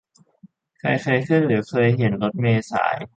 ใครเคยขึ้น หรือ เคยเห็นรถเมล์สาย